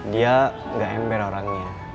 dia gak ember orangnya